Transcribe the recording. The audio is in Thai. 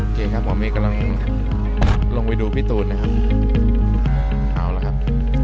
โอเคครับหัวเมย์กำลังลงไปดูพี่ตูนนะครับเอาละครับ